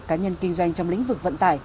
cá nhân kinh doanh trong lĩnh vực vận tải